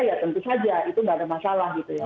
ya tentu saja itu nggak ada masalah gitu ya